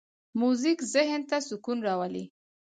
موزیک ذهن ته سکون راولي.